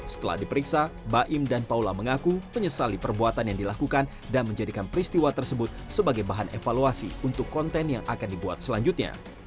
setelah diperiksa baim dan paula mengaku menyesali perbuatan yang dilakukan dan menjadikan peristiwa tersebut sebagai bahan evaluasi untuk konten yang akan dibuat selanjutnya